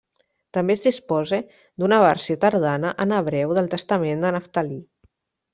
També es dispose d'una versió tardana en hebreu del testament de Neftalí.